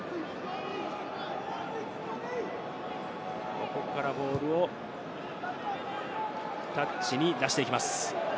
ここからボールをタッチに出していきます。